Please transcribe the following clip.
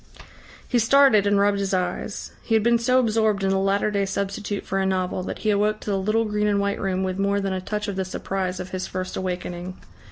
He started and rubbed his eyes. He had been so absorbed in the latter day substitute for a novel, that he awoke to the little green and white room with more than a touch of the surprise of his first awakening.